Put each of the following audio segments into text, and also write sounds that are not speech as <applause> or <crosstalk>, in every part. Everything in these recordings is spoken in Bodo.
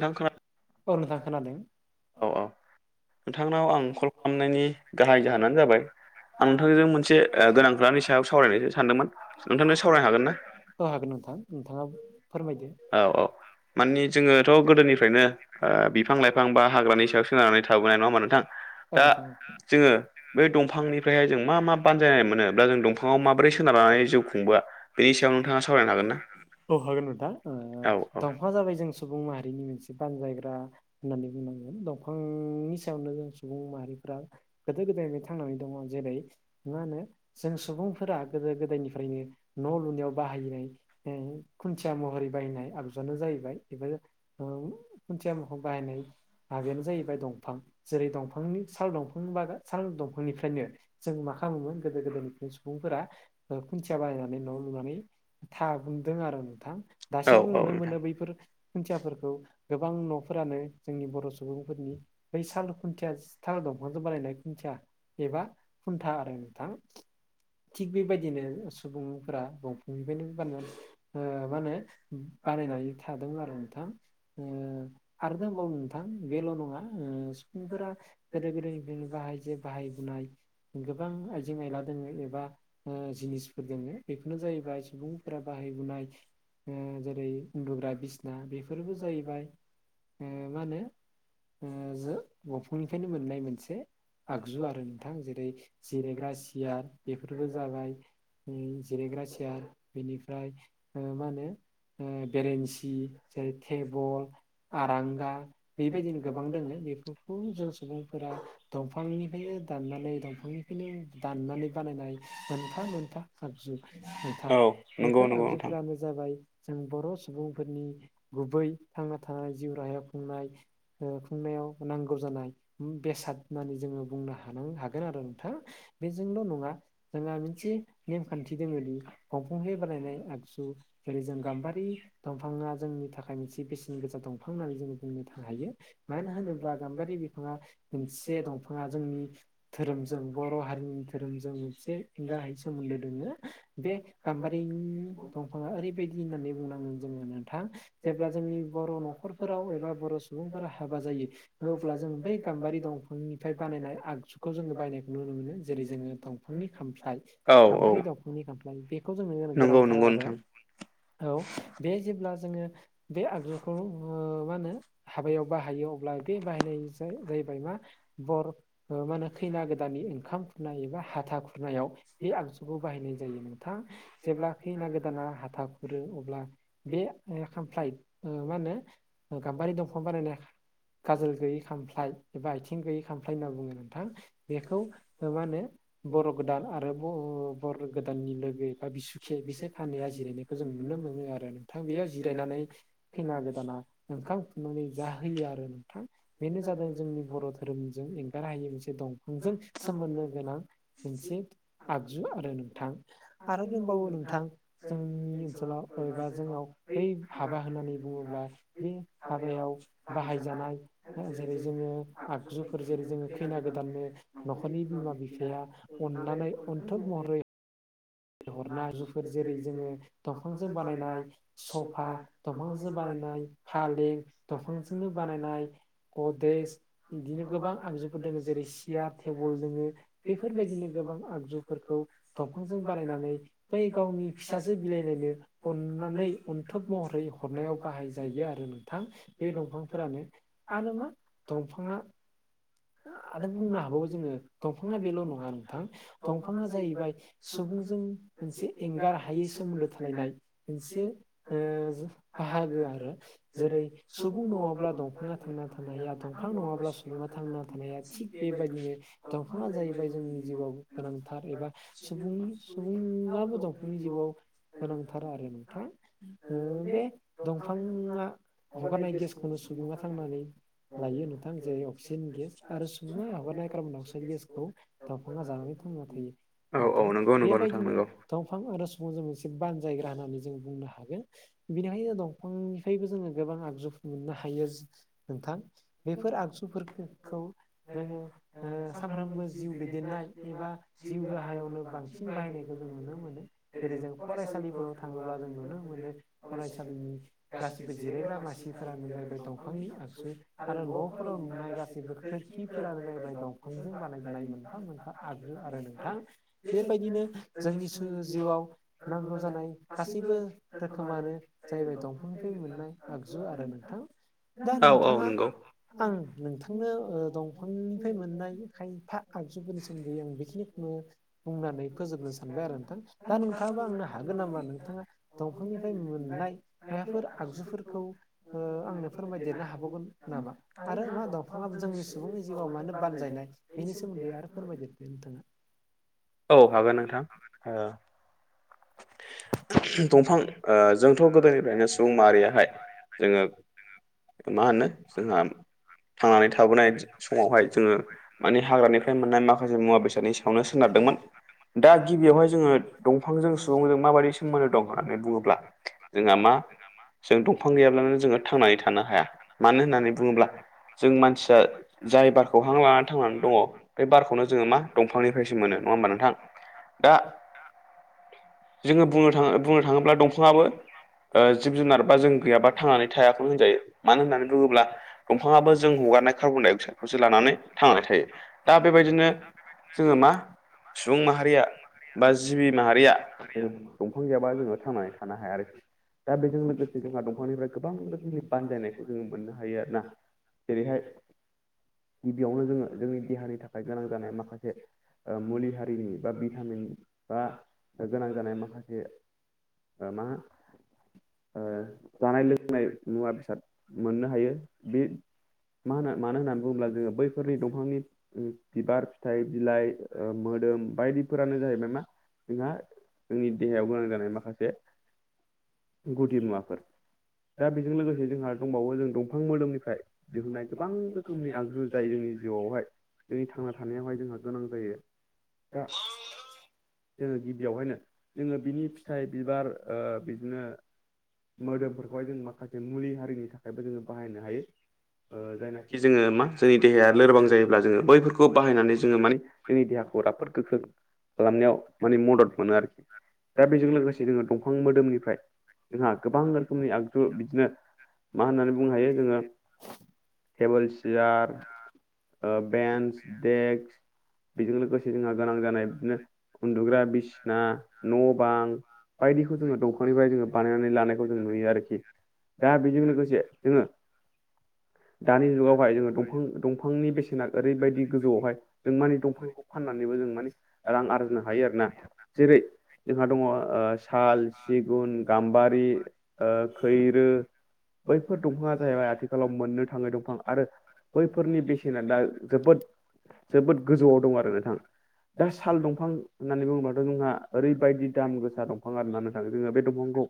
नोंथां <unintelligible> औ औ नोंथांनाव आं कल खालामनायनि गाहाय जाहोनानो जाबाय <unintelligible> औ हागोन नोंथां नोंथाङा फोरमायदो औ औ माने जोङोथ गोदोनिफ्रायनो बिफां लाइफां बा हाग्रानि सायाव सोनारनानै थाबोनाय नङा होनबा नोंथां औ नोंथां औ जोङो बे दंफांनिफ्रायहाय जों मा मा बानजायनाय मोनो बा जों दंफाङाव माबोरै सोनारनानै जिउ खुंबोआ बेनि सायाव नोंथाङा सावरायनो हागोनना औ हागोन नोथां ओ दंफाङा जाबाय जों सुबुं माहारिनि मोनसे बानजायग्रा होननानै बुंनांगोन दंफांनि सायावनो जों सुबुं माहारिफ्रा गोदो गोदायनिफ्राय थांनानै दङ जेरै मा होनो जों सुबुंफोरा गोदो गोदायनिफ्रायनो न' लुनायाव बाहायनाय खुन्थिया महरै बायनाय आगजुआनो जाहैबाय बेब खुन्थिया मोखां बाहायनाय माबायानो जाहैबाय दंफां जेरै दंफांनि साल दंफांनि बागा सान दंफांनिफ्रायनो जों मा खालामोमोन गोदो गोदायनिफ्रायनो सुबुंफोरा खुन्थिया बानायनानै न' लुनानै। थागदों आरो नोंथां दासिमबो नुनो मोनो बैफोर खुन्थियाफोरखौ गोबां न'फोरानो जोंनि बर' सुबुंफोरनि बै साल खुन्थियााल दंफांजों बानायनाय खुन्थिया। एबा खुन्था आरो नोंथां थिग बेबायदिनो सुबुंफोरा गंफांनिफ्रायनो बारनानै मा होनो बानायनानै थादोंमोन आरो नोंथां ओ आरो दंबावो नोंथां बेल' नङा सुबुंफोरा गोदो गोदायनिफ्रायनो बाहाय जे बाहायबोनाय। गोबां आइजें आयला दोङो एबा जिनिसफोर दोङो बेफोरनो जाहैबाय सुबुं बाहाय जेरै उन्दुग्रा बिसिना बेफोरबो जों जाहैबाय मा होनो ज गंफांनिफ्रायनो मोननाय मोनसे आगजु आरो नोंथां जेरै जिरायग्रा सियार बेफोरबो जाबाय जिरायग्रा सियार बेनिफ्राय मा होनो बेरेन्सि जेरै थेबल आरांगा बेबायदिनो गोबां दङ बेफोरखौ जों सुबुंफोरा दंफांनिफ्रायनो दाननानै दंफांनिफ्रायनो दाननानै बानायनाय मोनफा मोनफा आगजु। नथां बेफोर आगजुफोरानो जाबाय जों बर' सुबुंफोरनि गुबै थांना थानाय जिउ राहाया खुंनाय। खुंनायाव नांगौ जानाय। बेसाद होननानै जोङो बुंनो हान हागोन आरो नोंथाङा बेजोंल' नङा। जोंहा मोनसे नेमखान्थि दोङोदि दंफुंसे बानायनाय आगजु जेरै जों गाम्बारि दंफाङा जोंनि थाखाय थाखाय मोनसे बेसेन गोजसा दंफां होननानै जोंङो बुंनो थांनो हायो मानो होनोब्ला गाम्बारि बिफाङा। मोनसे दंफाङा जोंनि धोरोमजों बर' हारिनि धोरोमजों मोनसे। हेंगाहाय सोमोन्दो दोङो बे गाम्बारिनि दंफाङा ओरैबायदि होननानै बुंनांगोन जोङो। नोंथां जेब्ला जोंनि बर' न'खरफोराव एबा बर' सुबुंफोरा हाबा जायो अब्ला जों बै गामि दफांनिफ्राय बानायनाय आगजुखौ जोङो बायनायखौ नुनो मोनो जेरै जोङो दंफांनि खामफाय खामफारि दाखुनि खामफलि बेखौ जोंनो गोनांथार आरो। औ बे जेब्ला जोङो बे आगजुखौ मा होनो हाबायाव बाहायो अब्ला बे बाहायनाय जाहैबाय मा। बर मा होनो खैना गोदाननि ओंखाम खुरनाय एबा हाथा खुरनायाव बे आगजुखौ बाहायनाय जायो नोंथाङा। जेब्ला खैना गोदाना हाथा खुरो अब्ला बे फ्लाइ मा होनो गाम्बारि दंफां बानायनाय। गाजोल गैयै खामफ्लाय एबा आथिं गैयै खामफ्लाय होनना बुङो नोंथां। बेखौ मा होनो बर' गोदान आरो बर' गोदाननि लोगो बा बिसुखि बिसोर फानैा जिरायनायखौ। जों नुनो मोनो आरो नोंथां बेयाव जिरायनानै खैना गोदाना नोंखां खुरनानै जाहोयो आरो नोंथां। बेनो जादों जोंनि बर' धोरोमजों एंगार हायि मोनसे। दंफांजों सोमोन्द गोनां मोनसे आगजु आरो नोंथां। आरो दंबावो नोंथां जोंनि ओनसोलाव बबा जोंनाव बै हाबा होननानै बुङोब्ला बे हाबायाव बाहायजानाय। जेरै जोङो आगजुफोर जेरै जोङो। खैना गोदाननो न'खरनि बिमा बिफाया अननानै अन्थोब महरै हरनायजुफोर जेरै जोङो दंफांजों बानायनाय सफा दंफांजों बानायनाय फालें दंफांजोंनो बानायनाय गदेज बिदिनो गोबां आगजुफोर दङ जेरै सियार टेबोल दोङो बेफोरबायदिनो गोबां आगजुफोरखौ दंफांजों बानायनानै बै गावनि फिसाजो बिलइलायनो अनानै अनथोब महरै हरनायाव बाहायजायो आरो नोंथां बे दंफांफोरानो आरो मा दंफाङा आ बुंनो हाबावो जोङो दंफाङा बेल' नङा नोंथां दंफाङा जाहैबाय सुबुंजों मोनसे एंगार हायै सोमोन्दो थालायनाय मोनसे बाहागो आरो जेरै सुबुं नङाब्ला दंफाङा थांना थ हा दंफां नङाब्ला सुबुङा थांना थानाय हा थिग बेबायदिनो दंफाङा जाहैबाय जोंनि जिउआव गोनांथार एबा सुबुं सुबुङआो दावफोरांनि जिउआव गोनांथार आरो नोंथाङा बे दंफाङा हगारनाय गेसखौनो सुबुङा थांनानै लायो नोंथां जेरै अक्सिजेन गेस आरो सुबुङा हगारनाय कार'नाव अक्सिाडेन गेसखौ दाफाङा जानानै थांना थायो। नोंथां बेबायदिनो दंफां आरो सुबुंजों मोनसे बानजायग्रा होननानै जों बुंनो हागोन। बिनिखायनो जो दंफांनिफ्रायबो जोङो गोबां आगजु मोननो हायो नोंथां। बेफोर आगजुफोरखौ जोङो सानफ्रोमबो जिउ दैदेननाय एबा जिउ गा गाहायावनो बांसिन बाहायनायखौ जों नुनो मोनो जेरै जों फरायसालिफोराव थाङोब्ला जों नुनो मोनो। फरायसालिनि गासिबो जिरायग्रा मासिफोरानो जाहैबाय दंफांनि आगसु आरो न'फोराव नुनाय गासैबो खोरखिफोरानो जाहैबाय दंफांजों बानायजानाय मोनफा मोनफा। आगजु आरो नोंथां। बेबायदिनो जोंनि जिउआव नांगौ जानाय गासैबो रोखोमानो जाहैबाय दंफांनिफ्राय मोननाय आगजु आरो नोंथां। औ औ औ औ। आं नोंथांनो दंफांनिफ्राय मोननाय खायफा आगजुफोरनि सोमोन्दै आं बेखिनिखौ बुंनानै फोजोबनो सानबाय आरो नोंथां दा नोंथाङाबो आंनो हागोन नामा नोंथाङा दंफांनिफ्राय मोननाय माफोर आगजुफोरखौ आंनो फोरमायदेरनो हाबावगोन। नामा आरो मा दंफाङा जोंनि सुबुंनि जिउआव मानो बानजायनाय बेनि सोमोन्दै आरो फोरमायदों। बेथनो <unintelligible> औ हागोन नोंथां। <inaudible> दंफां जोंथ' गोदोनिफ्रायनो सुबुं माहारियाहाय जोङो मा होनो जोंहा थांनानै थाबोनाय समावहाय जोङो माने हाग्रानिफ्राय मोननाय माखासे मुवा बेसादनि सायावनो सोनारदोंमोन। दा गिबियावहाय जोङो दंफांजों सुबुंजों माबायदि सोमोन्दो दं होननानै बुङोब्ला जोहा मा जोंथनानै थानो हाया मानो होननानै जों मानसिया बेार मबाय <unintelligible> थां दा जोङो बुंनो थाङ बुंनो थाङोब्ला दंफाङाबो जिब जुनार बा जों गैयाबा थांनानै थायखौनो होनजायो। मानो होननानै बुङोब्ला दंफाङाबो जों हगारनाय कार्बनडाइ अक्साइडखौसो लानानै थांनानै थायो। दा बेबायदिनो जोङो मा सुबुं माहारिया बा जिबि माहारिया ां <unintelligible> थांजयाबा जोङो थांनानै थानो हाया आरोखि दा बेजों लोगोसे जोंहा दंफांनिफ्राय गोबां रोखोमनि बानजायनायखौ जोङो मोननो हायो आरो ना। जेरैहाय गिबियावनो जोङो जोंनि देहानि थाखाय गोनां जानाय माखासे मुलि हारिनि बा भिटामिन बा गोनां जानाय माखासे मा जानाय लोंनाय मुवा बेसाद मोननो हायो बे मा होनो मानो होननानै बुङोब्ला जोङो बैफोरनि दंफांनि बिबार फिथाइ बिलाइ ओ मोदोम बायदिफोरानो जाहैबाय मा <unintelligible> <unintelligible> <unintelligible> <unintelligible> <unintelligible> जोङो बिनि फिथाइ बिबार ओ बिदिनो मोदोमफोरखौहाय जों माखासे मुलि हारिनि थाखायबो जोङो बाहायनो हायो ओ जायनाखि जोङो मा जोंनि देहाया लोरबां जायोब्ला जोङो बैफोरखौ बाहायनानै जोङो माने जोंनि देहाखौ राफोद गोख्रों खालामनायाव माने मदद मोनो आरोखि दा बेजों लोगोसे जोङो दंफां मोदोमनिफ्राय जोंहा गोबां रोखोमनि आगजु बिदिनो मा होननानै बुंनो हायो जोङो टेबोल चेयार ओ बेन्स देक्स बेजों लोगोसे जोंहा गोनां जानाय बिदिनो उन्दुग्रा बिसिना न' बां बायदि बायदि फांनिफ्राय जोङो बानायनानै लानायखौ जों नुयो आरोखि दा बेजों लोगोसे जोङो <inaudible> दानि जुगावहाय जोङो दंफां दंफांनि बेसेना ओरैबायदि गोजौआवहाय जों माने दंफांखौ फाननानैबो जों माने रां आरजिनो हायो आरो ना जेरै जोहा दङ साल सिगुन गाम्बारि खैरो बैफोर दंफाङा जाहैबाय आथिखालाव मोननो थाङै दंफां आरो बैफोरनि बेसेना दा जोबोद जोबोद गोजौआव दं आरो नोंथां दा साल दंफां होननानै बुङोबथ' जोंहा ओरैबायदि दाम गोसा दंफां आरो ना नोंथां जोङो बे दंफांखौ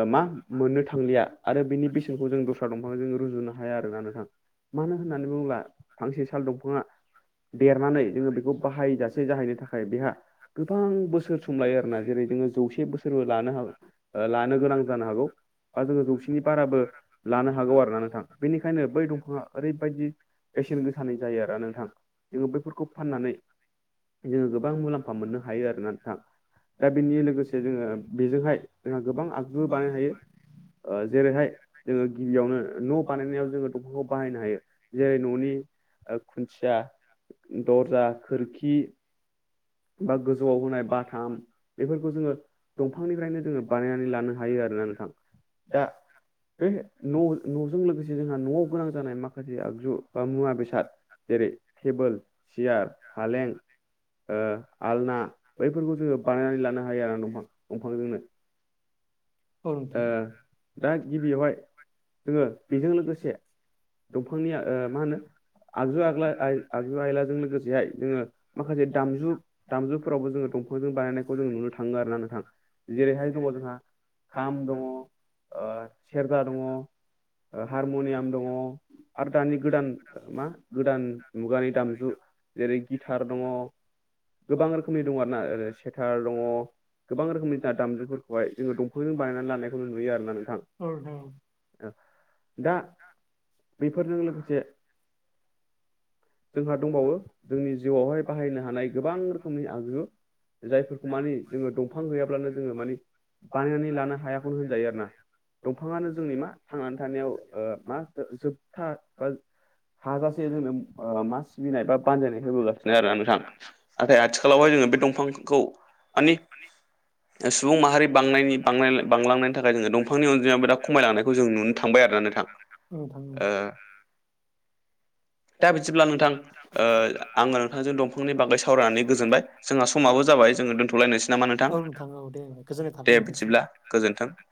ओ मा मोननो थांलिया आरो बेनि बेसेनखौ जों दस्रा दंफांजों जों रुजुनो हा हाया आरोना नोंथां मानो होननानै बुंङोब्ला फांसे साल दंफाङा देरनानै जोङो बेखौ बाहायजासे जाहैनो थाखाय बेहा गोबां बोसोर सम लायो आरोना जेरै जोङो जौसे बोसोरबो लानो लानो गोनांबो जानो हागौ <unintelligible> बेनिखायनो बै दंफाङा ओरैबायदि बेसेन गोसानि जायो आरो नोंथां जोङो बैफोरखौ फाननानै जोङो गोबां मुलाम्फा मोननो हायो आरोना थां दा बेनि लोगोसे जोङो बेजोंहाय जोंहा गोबां आगजुबो बानायनो हायो ओ जेरैहाय जोङो गिबियावनो न' बानाय जोङो दंफांखौ बाहायनो हायो जेरै न'नि खुन्थिया दर्जा खोरखि बा गोजौआव होनाय बाथाम बेफोरखौ जोङो दंफांनिफ्रायनो जोङो बानायनानै लानो हायो आरोना नोंथां दा बे न' न'जों लोगोसे जोंहा न'आव गोनां जानाय माखासे आगजु बा मुवा बेसाद जेरै टेबोल सियार फालें ओ आलना बैफोरखौ जोङो बानायनानै लानो हायो आरो दंफां दंफांजोंनो औ नोंथां <unintelligible> दंफांनि <unintelligible> आगजु <unintelligible> दामजु दामजुफोरावबो जोङो दफांखौ बानायनायखौनो नुनो थाङो आरो ना नोंथां जेरैहाय जों जोंहा खाम दं ओ सेरजा दङ ओ हारम'नियाम दङ आरो दानि गोदान मा गोदान मुगानि दामजु जेरै गिथार दङ गोबां रोखोमनि मुवा दानो <unintelligible> <unintelligible> बेफोरजों माखासे जोंहा दंबावो जोंनि जिउआवहाय बाहायनो हानाय गोबां रोखोमनि आगजुफोर जायफोरखौ माने जेनेबा दंफां गैयाब्ला जोङो माने बानायना लानो हायाखौ बुंजायो आरोना दंफाङानो जोंनि मा थांनानै थानायाव ओ मा जोबथा हाजासे <unintelligible> ओ मा सिबिनाय बा बानजायनाय होबोगासिनो आरो ना नोंथां <unintelligible> <unintelligible> औ नोंथां औ <unintelligible> <unintelligible> औ नोंथां औ दे गोजोननाय थाबाय नोंथांसिम <unintelligible>